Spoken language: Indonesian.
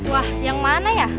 wah yang mana ya